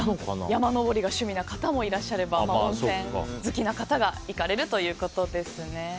山登りが趣味な方もいらっしゃれば温泉好きな方が行かれるということです。